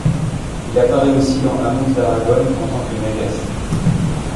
Il apparait aussi dans Amos Daragon en tant que Nagas.